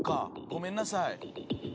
ごめんなさい。